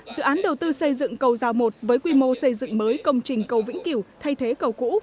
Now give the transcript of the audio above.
dự án đầu tư xây dựng cầu giao một với quy mô xây dựng mới công trình cầu vĩnh kiểu thay thế cầu cũ